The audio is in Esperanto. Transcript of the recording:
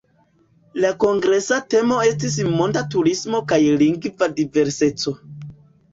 La kongresa temo estis "Monda turismo kaj lingva diverseco".